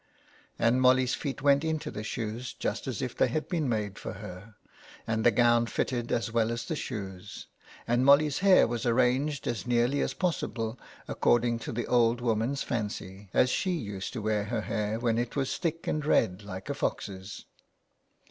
And Molly's feet went into the shoes just as if they had been made for her, and the gown fitted as well as the shoes, and Molly's hair was arranged as nearly as possible according to the old woman's fancy, as she used to wear her hair when it was thick and red like a fox's.